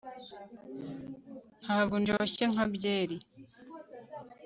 ntabwo ndyoshye nka byeri